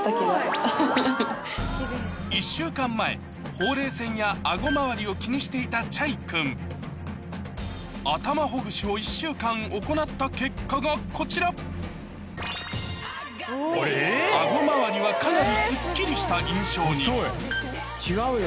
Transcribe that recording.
ほうれい線やアゴ周りを気にしていたｃｈａｙ君頭ほぐしを１週間行った結果がこちらアゴ周りはかなりすっきりした印象に違うよ。